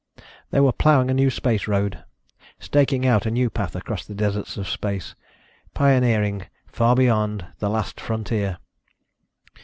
They were plowing a new space road, staking out a new path across the deserts of space, pioneering far beyond the 'last frontier.'